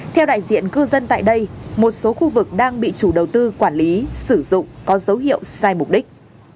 theo đại diện cư dân tại đây một số khu vực đang bị chủ đầu tư quản lý sử dụng có dấu hiệu sai mục đích